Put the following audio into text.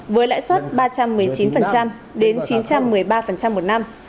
với lãi suất ba trăm một mươi chín đến chín trăm một mươi ba một năm